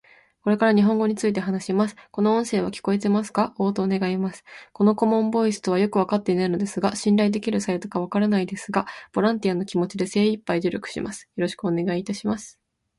これから日本語について話します。この音声は聞こえてますか？応答願います。この顧問ボイスとはよく分かっていないのですが信頼できるサイトか分からないですが、ボランティアの気持ちで精いっぱい努力します。よろしくお願いいたします。